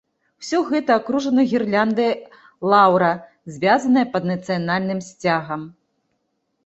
Усё гэта акружана гірляндай лаўра, звязаная пад нацыянальным сцягам.